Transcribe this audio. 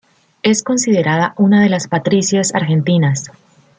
Es considerada una de las Patricias Argentinas.